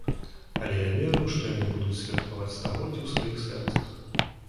Але я веру, што яны будуць святкаваць стагоддзе ў сваіх сэрцах.